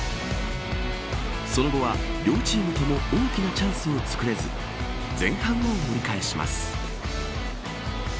その後は両チームとも大きなチャンスを作れず前半を折り返します。